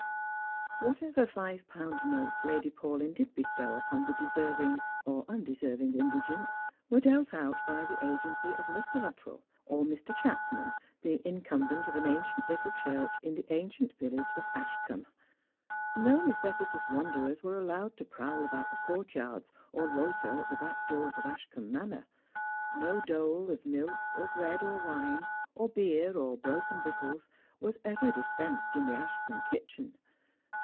Whatever five pound notes Lady Paulyn did bestow upon the deserving or undeserving indigent were dealt out by the agency of Mr. Luttrell, or Mr. Chapman, the incumbent of an ancient little church in the ancient village of Ashcombe. No necessi tous wanderers were allowed to prowl about the courtyards, or loiter at the back doors of Ashcombe Manor. No dole of milk, or bread, or wine, or beer, or broken victuals, was ever dispensed in the Ashcombe kitchen.